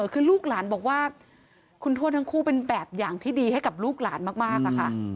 คือลูกหลานบอกว่าคุณทวดทั้งคู่เป็นแบบอย่างที่ดีให้กับลูกหลานมากอะค่ะ